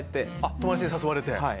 友達に誘われて。